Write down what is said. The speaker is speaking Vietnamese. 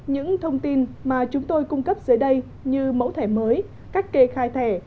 những thông tin mà chúng tôi cung cấp dưới đây như mẫu thẻ mới cách kê khai thẻ